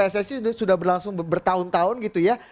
ini krisisnya di kepemimpinan pssi sudah berlangsung bertahun tahun gitu ya